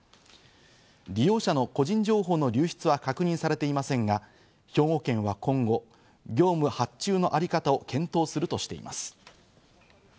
利用者の個人情報の流出は確認されていませんが兵庫県は今後、業務発注のあり方を検討するとしています。